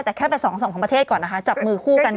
แต่แค่ไปสองสองของประเทศก่อนนะคะจับมือคู่กัน